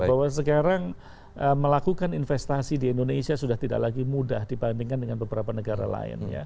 bahwa sekarang melakukan investasi di indonesia sudah tidak lagi mudah dibandingkan dengan beberapa negara lain